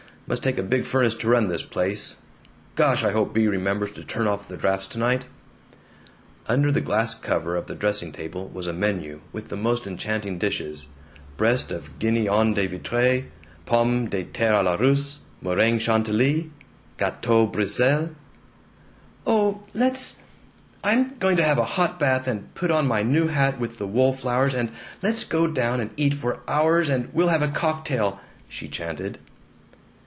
Must take a big furnace to run this place. Gosh, I hope Bea remembers to turn off the drafts tonight." Under the glass cover of the dressing table was a menu with the most enchanting dishes: breast of guinea hen De Vitresse, pommes de terre a la Russe, meringue Chantilly, gateaux Bruxelles. "Oh, let's I'm going to have a hot bath, and put on my new hat with the wool flowers, and let's go down and eat for hours, and we'll have a cocktail!" she chanted.